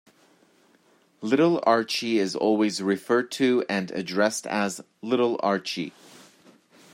Little Archie is always referred to and addressed as "Little Archie".